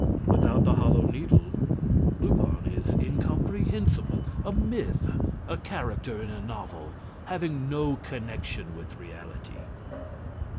Without the Hollow Needle, Lupin is incomprehensible, a myth, a character in a novel, having no connection with reality.